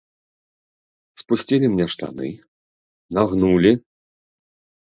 Спусцілі мне штаны, нагнулі.